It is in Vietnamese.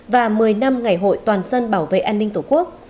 và một mươi năm ngày hội toàn dân bảo vệ an ninh tổ quốc